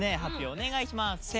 発表お願いします。